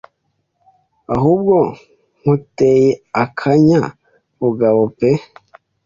ahubwo nkuteye akanya bugaboo pe